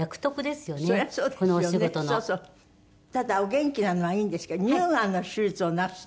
ただお元気なのはいいんですけど乳がんの手術をなすったの？